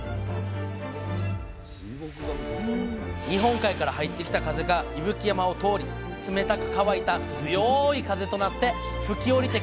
日本海から入ってきた風が伊吹山を通り冷たく乾いた強い風となって吹き下りてくるんです